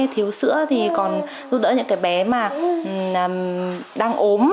thiếu sữa thì còn giúp đỡ những cái bé mà đang ốm